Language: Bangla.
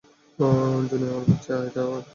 জুনি আমার বাচ্চা, এটাও একটা জীবন।